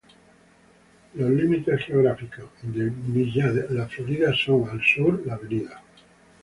Los límites geográficos de Villa La Florida son: al sur la Av.